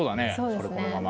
これこのまま。